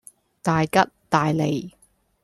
大吉大利